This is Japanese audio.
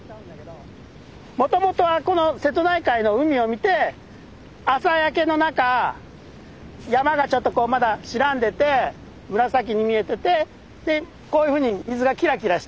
もともとはこの瀬戸内海の海を見て朝焼けの中山がちょっとこうまだ白んでて紫に見えててでこういうふうに水がきらきらしてると。